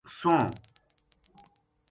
سوہنو